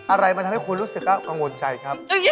อะไรมันทำให้คุณรู้สึกก็กังวลใจครับ